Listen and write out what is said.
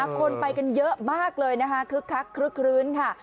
คนไปกันเยอะมากเลยคลึกครื้นค่ะ